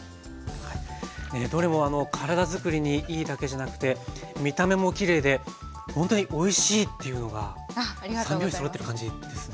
どれも体づくりにいいだけじゃなくて見た目もきれいでほんとにおいしいっていうのが三拍子そろってる感じですね。